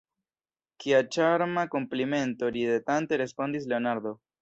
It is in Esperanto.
Kia ĉarma komplimento! ridetante respondis Leonardo.